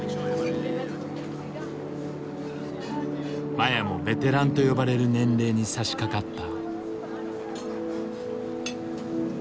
麻也もベテランと呼ばれる年齢にさしかかった。